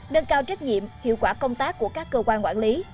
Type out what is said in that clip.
đơn cao trách nhiệm hiệu quả công tác của các cơ quan quản lý